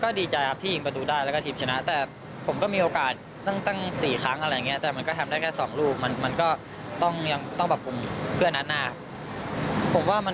ก็ดีใจครับที่ยิงประตูได้แล้วก็ทีมชนะแต่ผมก็มีโอกาสตั้ง๔ครั้งอะไรอย่างเงี้ยแต่มันทำได้แค่สองรูปมันก็ต้องยังต้องหยั่งอัดหน้า